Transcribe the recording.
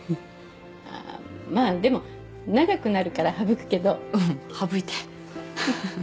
まあでも長くなるから省くけどうん省いてふふ